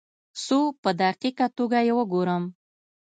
څو په دقیقه توګه یې وګورم.